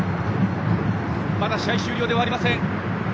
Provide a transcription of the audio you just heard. まだ試合終了ではありません。